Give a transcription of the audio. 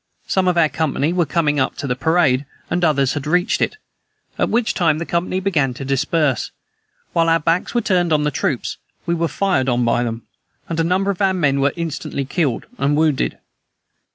Some of our company were coming up to the parade, and others had reached it, at which time the company began to disperse. While our backs were turned on the troops, we were fired on by them, and a number of our men were instantly killed and wounded.